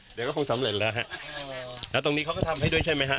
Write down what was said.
เดี๋ยวก็คงสำเร็จแล้วฮะแล้วตรงนี้เขาก็ทำให้ด้วยใช่ไหมฮะ